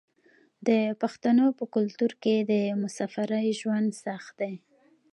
د پښتنو په کلتور کې د مسافرۍ ژوند سخت دی.